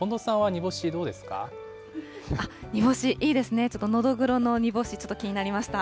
煮干しいいですね、ちょっとノドグロの煮干し、ちょっと気になりました。